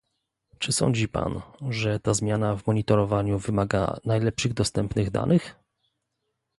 Czy sądzi pan, że ta zmiana w monitorowaniu wymaga najlepszych dostępnych danych?